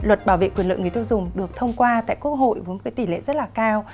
luật bảo vệ quyền lợi người tiêu dùng được thông qua tại quốc hội với tỷ lệ rất là cao